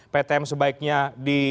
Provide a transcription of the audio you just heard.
ptm sebaiknya di